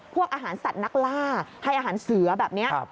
พวกอาหารสัตว์นักล่าให้อาหารเสือแบบนี้